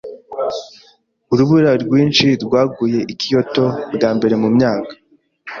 Urubura rwinshi rwaguye i Kyoto bwa mbere mu myaka.